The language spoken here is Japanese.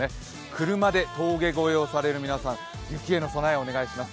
車で峠越えをされる皆さん、雪への備えをお願いします。